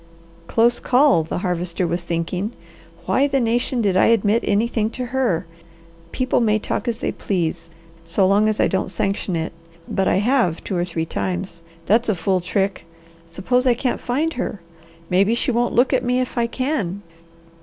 "Close call," the Harvester was thinking. "Why the nation did I admit anything to her? People may talk as they please, so long as I don't sanction it, but I have two or three times. That's a fool trick. Suppose I can't find her? Maybe she won't look at me if I can.